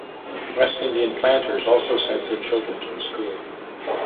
West Indian planters also sent their children to the school.